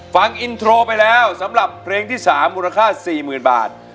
ฟังอินโทรไปแล้วสำหรับเพลงที่สามมูลค่าสี่หมื่นบาท